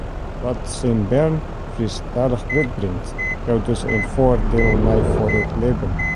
Wa’t syn bern Frysktalich grutbringt, jout dus in foardiel mei foar it libben.